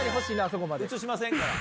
映しませんから。